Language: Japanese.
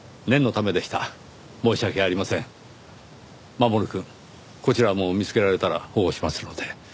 守くんこちらも見つけられたら保護しますので。